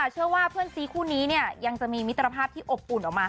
เชื่อว่าเพื่อนซีคู่นี้ยังจะมีมิตรภาพที่อบอุ่นออกมา